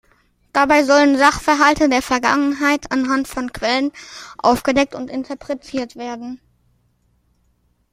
Dabei sollen Sachverhalte der Vergangenheit anhand von Quellen aufgedeckt und interpretiert werden.